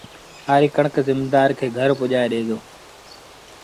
هآريٚ ڪڻڪ زميݩدآر کي گھر پُڄآئي ڏي دو